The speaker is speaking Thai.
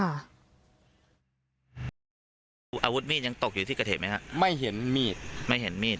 อาวุธมีดยังตกอยู่ที่เกิดเหตุไหมฮะไม่เห็นมีดไม่เห็นมีด